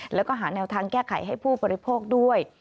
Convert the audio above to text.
แล้วก็หาแนวทางแก้ไขให้ผู้บริโภคด้วย